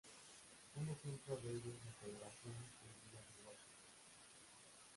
Un ejemplo de ello es la Federación Judía de Washington.